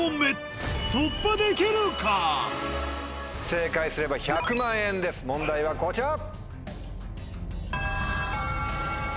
正解すれば１００万円です問題はこちら！